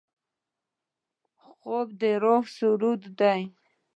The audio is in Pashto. خوب د روح سرود دی